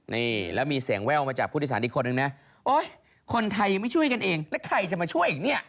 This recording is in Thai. นี่แล้วมีเสียงแว่วมาจากผู้โดยสารอีกคนนึงนะโอ๊ยคนไทยยังไม่ช่วยกันเองแล้วใครจะมาช่วยอีกเนี่ย